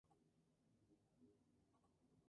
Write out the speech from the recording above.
Además solo se les permitía mínimas modificaciones.